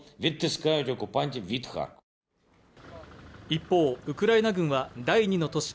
一方ウクライナ軍は第２の都市